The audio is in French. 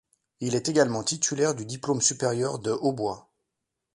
Il est également titulaire du diplôme supérieur de hautbois.